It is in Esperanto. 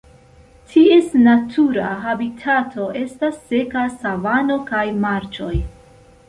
Ties natura habitato estas seka savano kaj marĉoj.